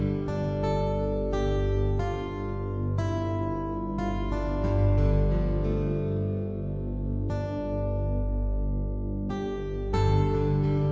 ไม่ว่าจะเป็นที่อานามัยหรือว่าที่เอกพฤตหรือว่าอันสรรค์